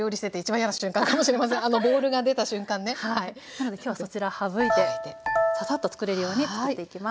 なので今日はそちら省いてササッとつくれるようにつくっていきます。